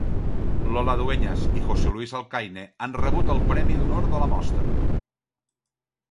Lola Dueñas i José Luís Alcaine han rebut el Premi d'Honor de la Mostra.